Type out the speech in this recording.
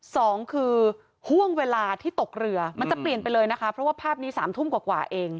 สองคือห่วงเวลาที่ตกเรือมันจะเปลี่ยนไปเลยนะคะเพราะว่าภาพนี้สามทุ่มกว่าเอง